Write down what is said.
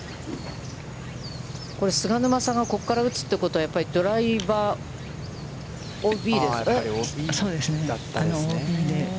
これ、菅沼さんがここから打つということは、やっぱりドライバー、ＯＢですか。